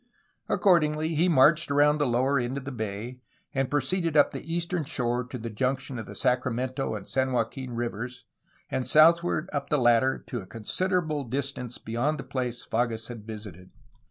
Accordingly he marched around the lower end of the bay, and proceeded up the eastern shore to the junction of the Sacramento and San Joaquin rivers and southward up the latter to a considerable distance beyond the place Fages had visited.